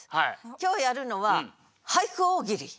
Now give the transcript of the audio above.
今日やるのは俳句大喜利。